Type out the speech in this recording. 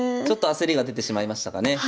ちょっと焦りが出てしまいましたかね。